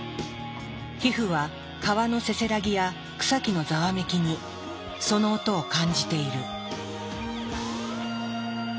皮膚は川のせせらぎや草木のざわめきにその音を感じている。